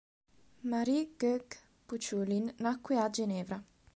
Marie Goegg-Pouchoulin nacque a Ginevra.